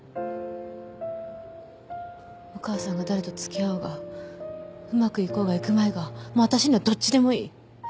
お母さんが誰とつきあおうがうまくいこうがいくまいがもう私にはどっちでもいい。